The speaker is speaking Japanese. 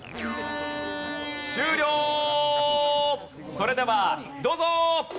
それではどうぞ！